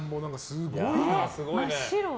すごいな。